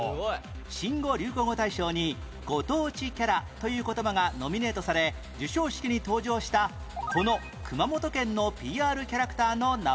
新語・流行語大賞に「ご当地キャラ」という言葉がノミネートされ授賞式に登場したこの熊本県の ＰＲ キャラクターの名前は？